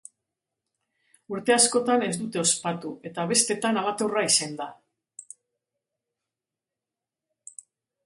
Urte askotan ez dute ospatu eta bestetan amateurra izan da.